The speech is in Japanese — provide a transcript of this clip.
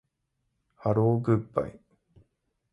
ハローグッバイ